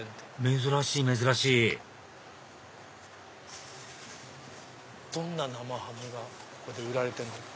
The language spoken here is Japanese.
珍しい珍しいどんな生ハムがここで売られてるの？